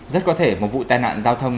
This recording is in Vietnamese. rất có thể một vụ tai nạn giao thông